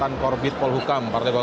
untuk mengikuti proses hukum yang ada